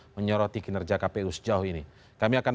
menyoroti kinerja kpu sejauh ini